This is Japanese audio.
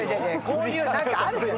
こういう何かあるじゃない。